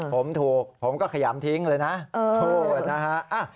ผมถูกผมก็ขยัมทิ้งเลยนะพูดนะคะ